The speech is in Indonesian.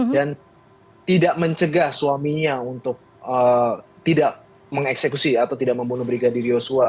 dan tidak mencegah suaminya untuk tidak mengeksekusi atau tidak membunuh brigadir yosua